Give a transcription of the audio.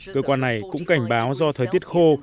cơ quan này cũng cảnh báo do thời tiết khô